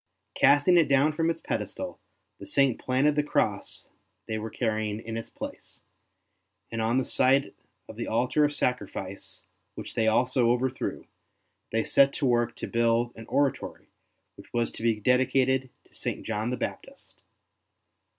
Casting it down from its pedestal, the Saint planted the Cross they were carrying in its place; and on the site of the altar of sacrifice, which they also overthrew, they set to work to build an oratory which was to be dedicated to St. John the Baptist.